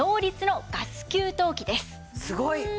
すごい！